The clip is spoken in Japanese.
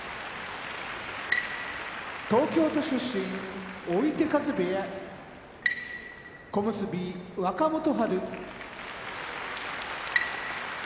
東京都出身追手風部屋小結・若元春福島県出身